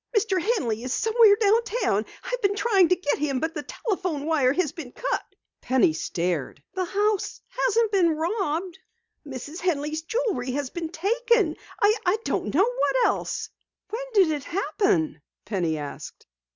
"Mr. Henley is somewhere downtown. I've been trying to get him, but the telephone wire has been cut!" "The house hasn't been robbed?" "Mrs. Henley's jewelry has been taken! I don't know what else." "When did it happen?" Penny asked.